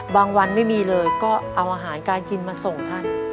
วันไม่มีเลยก็เอาอาหารการกินมาส่งท่าน